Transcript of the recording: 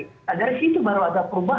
nah dari situ baru ada perubahan